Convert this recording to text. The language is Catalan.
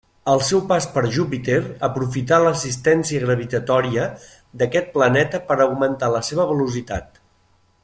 Al seu pas per Júpiter aprofità l'assistència gravitatòria d'aquest planeta per augmentar la seva velocitat.